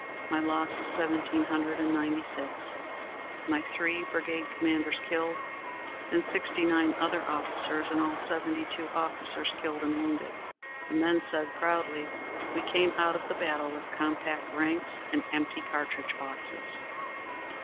My loss is seventeen hundred and ninety six, my three brigade commanders killed, and sixty nine other officers; in all seventy two officers killed and wounded." The men said proudly, "We came out of the battle with compact ranks and empty cartridge boxes!"